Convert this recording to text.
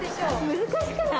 難しくない？